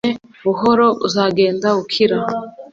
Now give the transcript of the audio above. Ihangane buhorouzagenda ukira